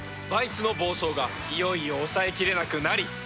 バイスの暴走がいよいよ抑えきれなくなり